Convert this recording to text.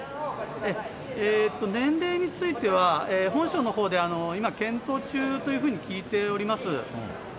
年齢については、本省のほうで、今検討中というふうに聞いております。